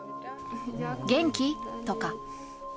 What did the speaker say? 元気？とか。